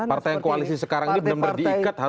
partai yang koalisi sekarang ini benar benar diikat